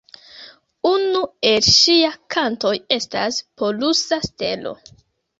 Unu el ŝia kantoj estas "Polusa Stelo".